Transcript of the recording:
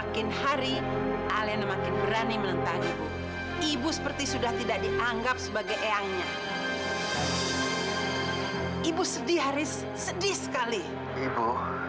kesalahan apa sih bu